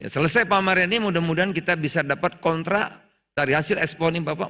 selesai pamarnya ini mudah mudahan kita bisa dapat kontrak dari hasil expo ini pak